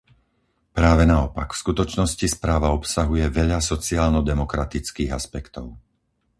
Práve naopak, v skutočnosti správa obsahuje veľa sociálnodemokratických aspektov.